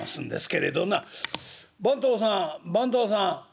「番頭さん番頭さん」。